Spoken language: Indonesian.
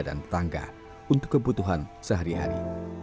dan tetangga untuk kebutuhan sehari hari